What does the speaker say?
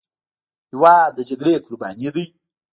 هېواد د جګړې قرباني دی.